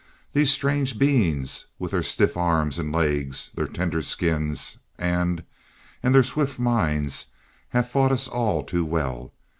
These strange beings with their stiff arms and legs, their tender skins, and and their swift minds have fought us all too well.